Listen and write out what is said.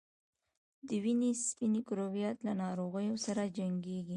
د وینې سپین کرویات له ناروغیو سره جنګیږي